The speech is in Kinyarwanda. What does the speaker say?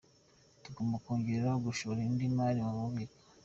Tugomba kongera gushora indi mari mu bubiko.